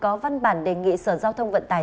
và văn bản đề nghị sự giao thông vận tài